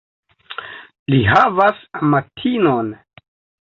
Li havas amatinon.